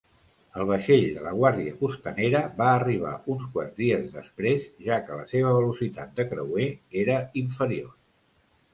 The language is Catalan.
El vaixell de la guàrdia costanera va arribar uns quants dies després, ja que la seva velocitat de creuer era inferior.